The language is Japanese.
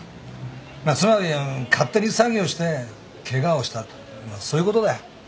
まあつまり勝手に作業してケガをしたとまあそういうことだよ。